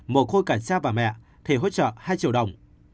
mồ côi cả cha và mẹ thì hỗ trợ hai triệu đồng